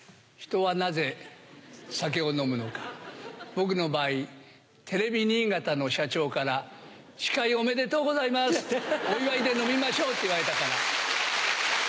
僕の場合テレビ新潟の社長から「司会おめでとうございますお祝いで飲みましょう」って言われたから。